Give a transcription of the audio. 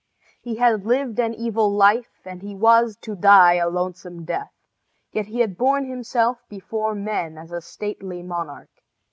He had lived an evil life, and he was to die a loathsome death; yet he had borne himself before men as a stately monarch.